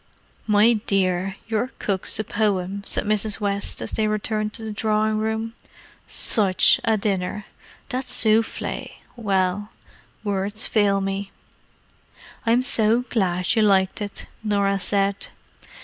"My dear, your cook's a poem," said Mrs. West, as they returned to the drawing room. "Such a dinner! That souffle—well, words fail me!" "I'm so glad you liked it," Norah said.